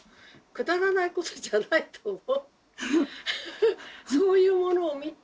くだらないことじゃないと思う。